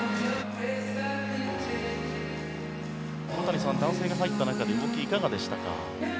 小谷さん、男性が入った中で動きはいかがでしたか？